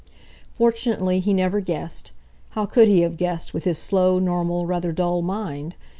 Fortunately he never guessed—how could he have guessed, with his slow, normal, rather dull mind?